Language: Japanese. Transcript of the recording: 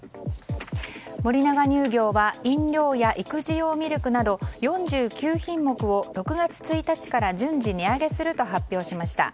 森永乳業は、飲料や育児用ミルクなど４９品目を６月１日から順次値上げすると発表しました。